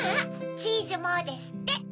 「チーズも」ですって。